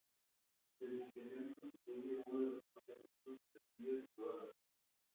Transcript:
La edificación constituye uno de los más hermosos castillos de toda la región.